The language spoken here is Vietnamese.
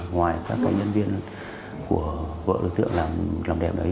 ngoài các nhân viên của vợ đối tượng làm đẹp đấy